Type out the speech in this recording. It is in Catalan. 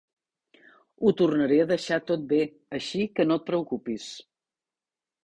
Ho tornaré a deixar tot bé, així que no et preocupis.